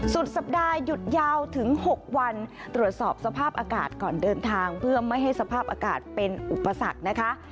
สุดสัปดาห์หยุดยาวถึง๖วันตรวจสอบสภาพอากาศก่อนเดินทางเพื่อไม่ให้สภาพอากาศเป็นอุปสรรคนะคะ